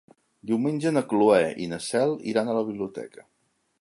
Diumenge na Cloè i na Cel iran a la biblioteca.